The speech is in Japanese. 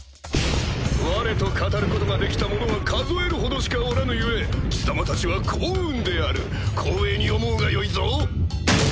われと語ることができた者は数えるほどしかおらぬ故貴様たちは幸運である光栄に思うがよいぞ！